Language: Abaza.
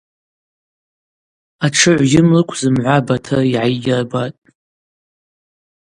Атшыгӏв йымлыкв зымгӏва Батыр йгӏаййырбатӏ.